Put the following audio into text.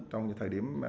trong những thời điểm